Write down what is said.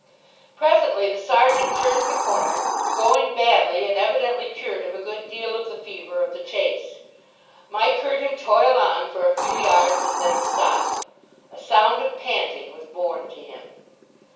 Presently the sergeant turned the corner, going badly and evidently cured of a good deal of the fever of the chase. Mike heard him toil on for a few yards and then stop. A sound of panting was borne to him.